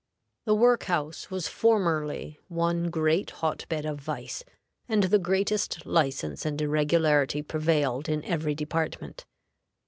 The work house was formerly one great hot bed of vice, and the greatest license and irregularity prevailed in every department.